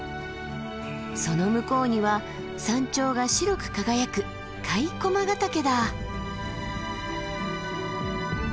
その向こうには山頂が白く輝く甲斐駒ヶ岳だ。